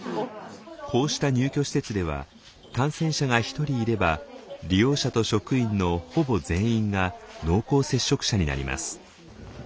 こうした入居施設では感染者が１人いれば利用者と職員のほぼ全員が濃厚接触者になります。